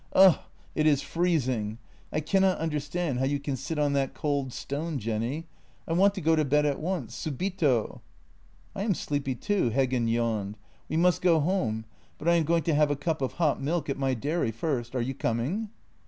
"Ugh! it is freezing! I cannot under stand how you can sit on that cold stone, Jenny. I want to go to bed at once — subito! "" I am sleepy too." Heggen yawned. " We must go home, but I am going to have a cup of hot milk at my dairy first. Are you coming?